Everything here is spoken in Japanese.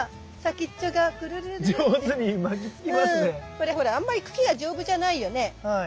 これほらあんまり茎が丈夫じゃないよね。